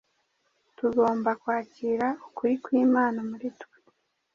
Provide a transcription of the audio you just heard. Tugomba kwakira ukuri kw’Imana muri twe,